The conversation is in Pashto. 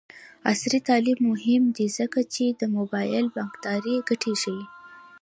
عصري تعلیم مهم دی ځکه چې د موبايل بانکدارۍ ګټې ښيي.